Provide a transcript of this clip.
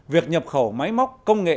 việc nhập khẩu máy móc công nghệ